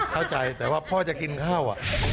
เข้าใจแต่ว่าพ่อจะกินข้าว